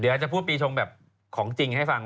เดี๋ยวอาจจะพูดปีชงของจริงเลยให้ฟัง